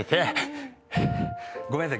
ごめんなさい。